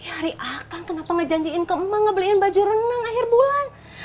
ya hari akan kenapa ngejanjiin ke emah ngebeliin baju renang akhir bulan